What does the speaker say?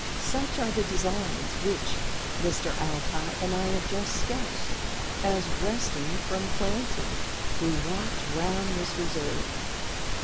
Such are the designs which Mr. Alcott and I have just sketched, as, resting from planting, we walked round this reserve.